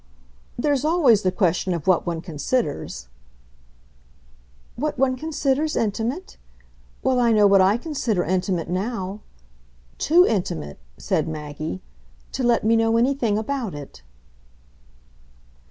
"There's always the question of what one considers !" "What one considers intimate? Well, I know what I consider intimate now. Too intimate," said Maggie, "to let me know anything about it."